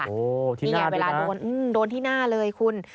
โอ้โฮที่หน้าดูนะนี่ไงเวลาโดนโอ้โฮโดนที่หน้าเลยคุณ